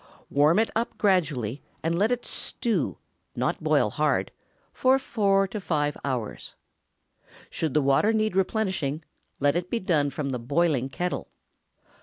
Warm it up gradually, and let it stew—not boil hard—for four or five hours. Should the water need replenishing, let it be done from the boiling kettle.